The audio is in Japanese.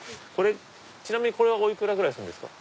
ちなみにこれはお幾らぐらいするんですか？